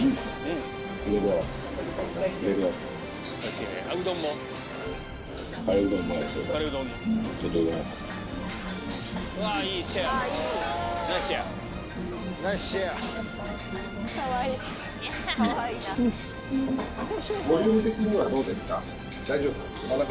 ボリューム的にはどうですか？